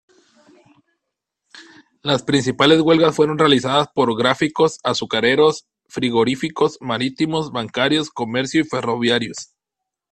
Las principales huelgas fueron realizadas por gráficos, azucareros, frigoríficos, marítimos, bancarios, comercio y ferroviarios.